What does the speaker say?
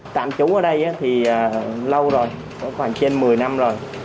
tạm trú ở đây thì lâu rồi có khoảng trên một mươi năm rồi